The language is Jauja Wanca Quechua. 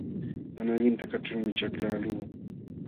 Mana allinta kaćhulmi chaklaqluu.